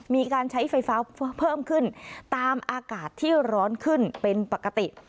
มีการใช้ไฟฟ้าเพิ่มขึ้นตามอากาศที่ร้อนขึ้นเป็นปกติ